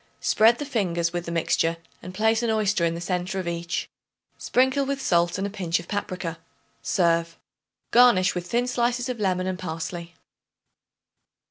Spread the fingers with the mixture and place an oyster in the centre of each. Sprinkle with salt and a pinch of paprica. Serve. Garnish with thin slices of lemon and parsley.